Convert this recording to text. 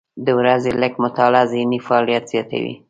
د ورځې لږه مطالعه ذهني فعالیت زیاتوي.